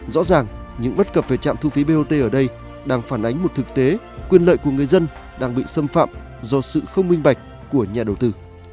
rõ ràng những bất cập về trạm thu phí bot ở đây đang phản ánh một thực tế quyền lợi của người dân đang bị xâm phạm do sự không minh bạch của nhà đầu tư